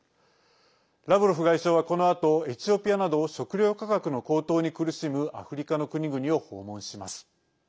ラブロフ外相はこのあとエチオピアなど食料価格の高騰に苦しむアフリカの国々を訪問します。